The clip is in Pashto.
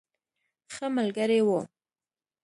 ښه ملګری وو.